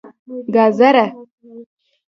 🥕 ګازره